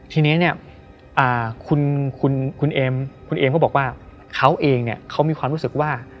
ทีนี้เนี่ยคุณเอมคุณเอมก็บอกว่าเขาเองเนี่ยเขามีความรู้สึกว่า